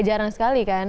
jarang sekali kan